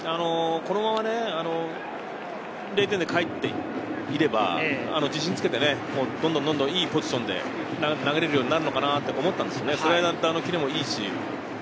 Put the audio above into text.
このまま０点でかえっていれば、自信をつけてどんどんいいポジションで投げれるようになるのかなと思ったんですけど。